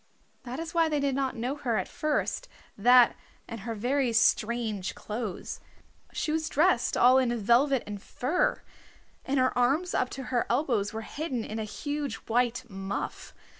That is why they did not know her at first, that and her very strange clothes. She was dressed all in velvet and fur, and her arms up to her elbows were hidden in a huge white muff.